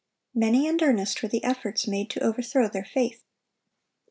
Many and earnest were the efforts made to overthrow their faith.